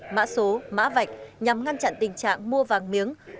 mã số mã vạch nhằm ngăn chặn tình trạng mua vàng miếng